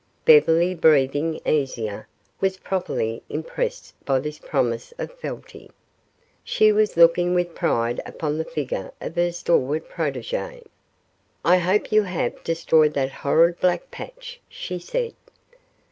Beverly, breathing easier, was properly impressed by this promise of fealty. She was looking with pride upon the figure of her stalwart protege. "I hope you have destroyed that horrid black patch," she said.